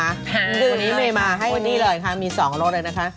วันนี้เมย์มาให้นี่เลยค่ะมีสองรสเลยนะคะ